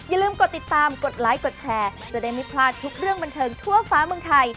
อย่าลืมกดติดตามกดไลค์กดแชร์จะได้ไม่พลาดทุกเรื่องบันเทิงทั่วฟ้าเมืองไทย